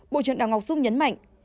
bộ trưởng đào ngọc dung nhấn mạnh